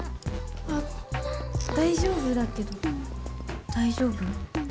あっ、大丈夫だけど大丈夫？